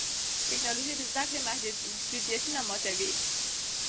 ټیکنالوژي د زده کړې محدودیتونه ماتوي.